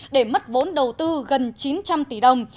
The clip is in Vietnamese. để mất vốn đầu tư gần chín trăm linh tỷ đồng